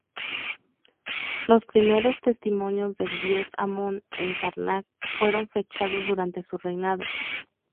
Los primeros testimonios del dios Amón en Karnak fueron fechados durante su reinado.